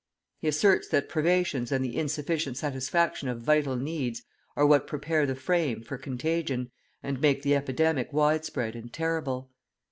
He asserts that privations and the insufficient satisfaction of vital needs are what prepare the frame for contagion and make the epidemic widespread and terrible.